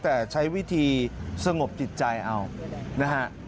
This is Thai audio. แต่ใช้วิธีสงบจิตใจเอานะฮะ